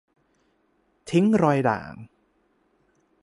ทิ้งรอยด่าง